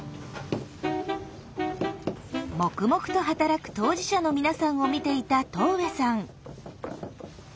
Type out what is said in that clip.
黙々と働く当事者の皆さんを見ていた戸上さん。